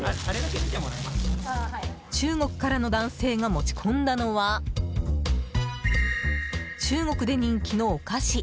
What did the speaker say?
中国からの男性が持ち込んだのは中国で人気のお菓子。